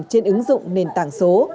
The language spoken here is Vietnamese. trên ứng dụng nền tảng số